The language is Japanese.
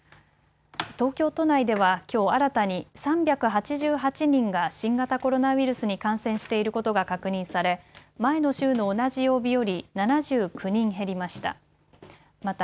東京都内ではきょう新たに３８８人が新型コロナウイルスに感染していることが確認され前の週の同じ曜日より７９人減りました。